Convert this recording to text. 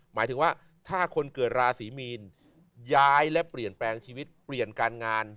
หมายถึงว่าถ้าคนเกิดราศีมีนย้ายและเปลี่ยนแปลงชีวิตเปลี่ยนการงาน